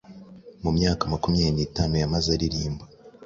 Mu myaka makumyabiri nitanu yamaze aririmba